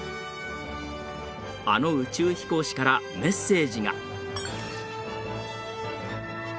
あの宇宙飛行士からメッセージが。